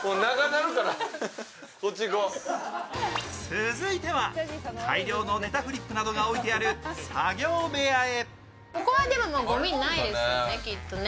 続いては、大量のネタフリップなどが置いてある作業部屋へ。